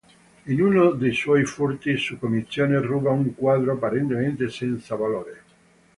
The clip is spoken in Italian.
In uno dei suoi furti su commissione, ruba un quadro apparentemente senza valore.